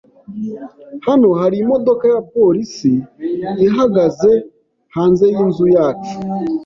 Hano hari imodoka ya polisi ihagaze hanze yinzu yacu.